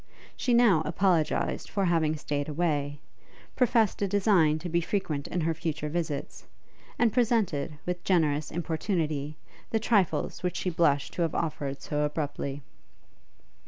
She now apologized for having stayed away, professed a design to be frequent in her future visits, and presented, with generous importunity, the trifles which she blushed to have offered so abruptly.